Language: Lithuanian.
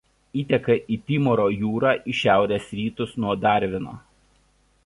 Įteka į Timoro jūrą į šiaurės rytus nuo Darvino.